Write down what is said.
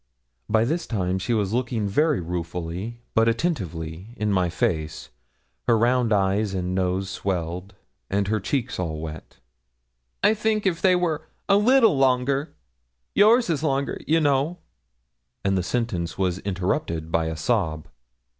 By this time she was looking very ruefully, but attentively, in my face, her round eyes and nose swelled, and her cheeks all wet. 'I think if they were a little longer yours is longer, you know;' and the sentence was interrupted by a sob.